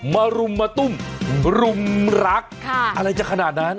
รุมมาตุ้มรุมรักอะไรจะขนาดนั้น